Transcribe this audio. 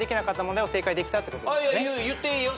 言っていいよ